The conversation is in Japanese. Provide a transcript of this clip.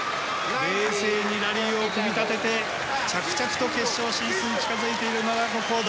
冷静にラリーを組み立てて着々と決勝進出に近づいている奈良岡功大。